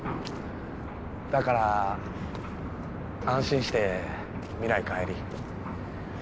だから安心して未来帰り。